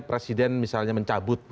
presiden misalnya mencapresan